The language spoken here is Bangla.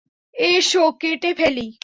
এসো, কেটে ফেলি।